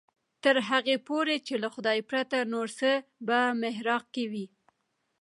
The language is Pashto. تر هغې پورې چې له خدای پرته نور څه په محراق کې وي.